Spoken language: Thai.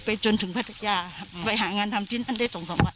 ไปจนถึงพัทยาไปหางานทำชิ้นอันได้สองสามวัน